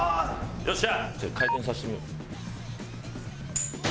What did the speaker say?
よっしゃ。